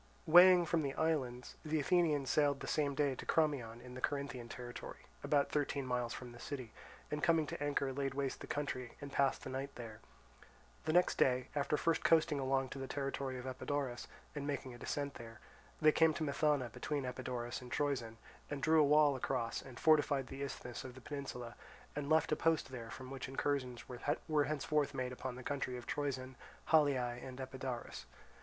Weighing from the islands, the Athenians sailed the same day to Crommyon in the Corinthian territory, about thirteen miles from the city, and coming to anchor laid waste the country, and passed the night there. The next day, after first coasting along to the territory of Epidaurus and making a descent there, they came to Methana between Epidaurus and Troezen, and drew a wall across and fortified the isthmus of the peninsula, and left a post there from which incursions were henceforth made upon the country of Troezen, Haliae, and Epidaurus.